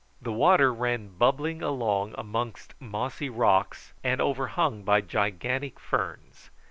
The water ran bubbling along amongst mossy rocks, and overhung by gigantic ferns.